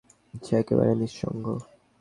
সে একেবারে নিসঙ্গ।